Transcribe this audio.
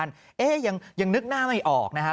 อารมณ์ไม่ดีเพราะว่าอะไรฮะ